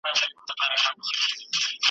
چي د چا پر سر یې باز وي کښېنولی .